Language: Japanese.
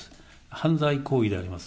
犯罪行為であります。